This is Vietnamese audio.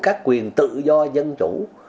các quyền tự do dân chủ